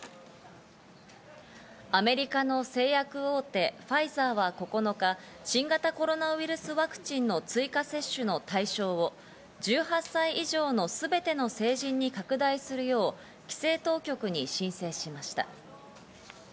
アメリカの製薬大手ファイザーは９日、新型コロナウイルスワクチンの追加接種の対象を１８歳以上のすべての成人に拡大するよう規制当局に申請しました。